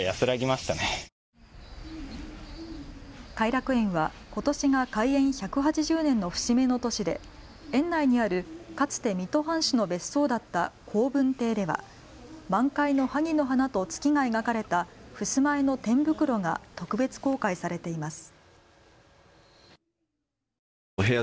偕楽園はことしが開園１８０年の節目の年で、園内にあるかつて水戸藩主の別荘だった好文亭では満開のはぎの花と月が描かれたふすま絵の天袋が特別公開されています。